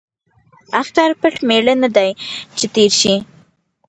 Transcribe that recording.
ـ اختر پټ ميړه نه دى ،چې تېر شي.